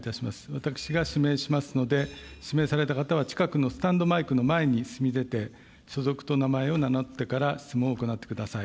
私が指名しますので、指名された方は、近くのスタンドマイクの前に進み出て、所属と名前を名乗ってから質問を行ってください。